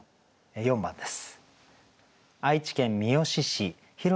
４番です。